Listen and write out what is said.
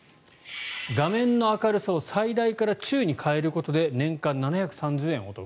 画面の明るさを最大から中に変えることで年間７３０円お得。